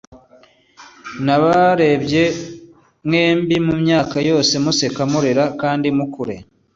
nabarebye mwembi mumyaka yose museka, murira, kandi mukure ..